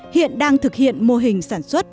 hiện đang thực hiện mô hình sản xuất